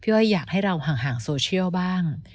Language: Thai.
อ้อยอยากให้เราห่างโซเชียลบ้าง